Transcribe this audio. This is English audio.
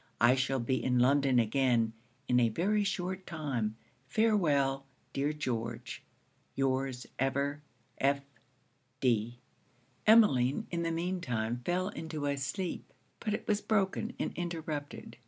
I shall be in London again, in a very short time. Farewell, dear George. Your's, ever, F. D.' Emmeline in the mean time fell into a sleep, but it was broken and interrupted.